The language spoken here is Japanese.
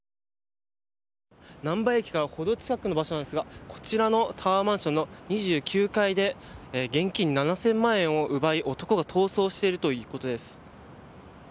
難波駅から程近くの場所ですがこちらのタワーマンションの２９階で現金７０００万円を奪い男が逃走しているということです。